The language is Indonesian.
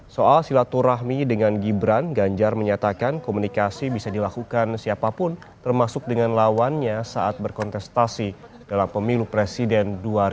soal silaturahmi dengan gibran ganjar menyatakan komunikasi bisa dilakukan siapapun termasuk dengan lawannya saat berkontestasi dalam pemilu presiden dua ribu sembilan belas